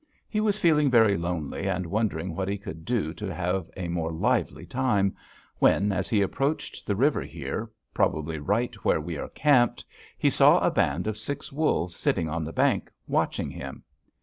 He was feeling very lonely, and wondering what he could do to have a more lively time, when, as he approached the river here, probably right where we are camped, he saw a band of six wolves sitting on the bank, watching him.